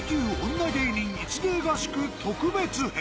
女芸人一芸合宿特別編。